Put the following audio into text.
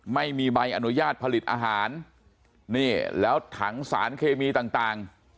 ไม่มีใบอนุญาตผลิตอาหารนี่แล้วถังสารเคมีต่าง